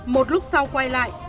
một lúc sau quay lại